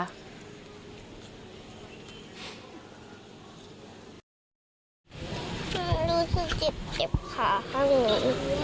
ดูซิเก็บขาข้างนี้